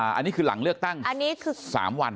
อันนี้คือหลังเลือกตั้ง๓วัน